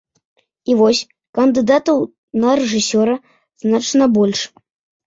А вось кандыдатаў на рэжысёра значна больш.